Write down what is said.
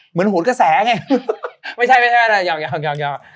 เหมือนหูนกระแสไงไม่ใช่ไม่ใช่ยอมยอมยอมยอมยอม